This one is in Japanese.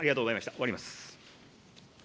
終わります。